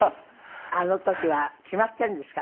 あの時は決まっているんですか？